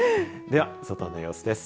では外の様子です。